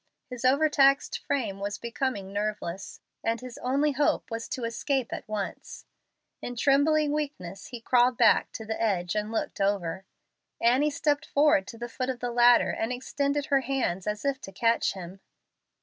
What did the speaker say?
His overtaxed frame was becoming nerveless, and his only hope was to escape at once. In trembling weakness he crawled back to the edge and looked over. Annie stepped forward to the foot of the ladder and extended her hands as if to catch him.